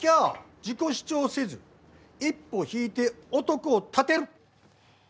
自己主張せず一歩引いて男を立てる。